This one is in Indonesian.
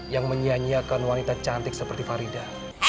yang menyanyiakan wanita cantik seperti farida